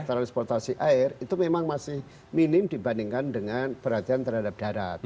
transportasi air itu memang masih minim dibandingkan dengan perhatian terhadap darat